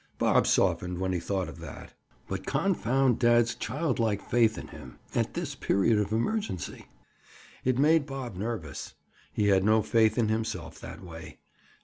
Bob softened when he thought of that. But confound dad's childlike faith in him, at this period of emergency. It made Bob nervous. He had no faith in himself that way.